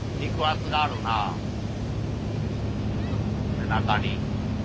背中に。